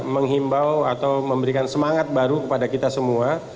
menghimbau atau memberikan semangat baru kepada kita semua